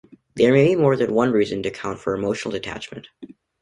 There may be more than one reason to account for emotional detachment.